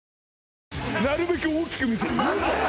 なるべく大きく見せる。